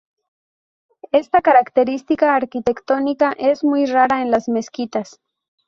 Esta característica arquitectónica es muy rara en las mezquitas.